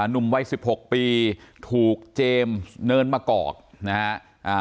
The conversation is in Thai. หนุ่มวัยสิบหกปีถูกเจมส์เนินมะกอกนะฮะ